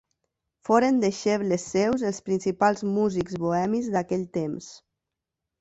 Foren deixebles seus els principals músics bohemis d'aquell temps.